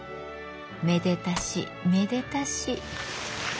めでたしめでたし。